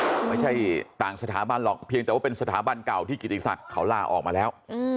ไม่ใช่ต่างสถาบันหรอกเพียงแต่ว่าเป็นสถาบันเก่าที่กิติศักดิ์เขาลาออกมาแล้ว